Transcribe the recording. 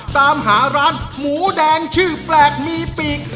ตามหาร้านหมูแดงชื่อแปลกมีปีก